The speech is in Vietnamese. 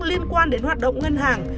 liên quan đến hoạt động ngân hàng